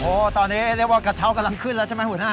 โอ้โหตอนนี้เรียกว่ากระเช้ากำลังขึ้นแล้วใช่ไหมหัวหน้า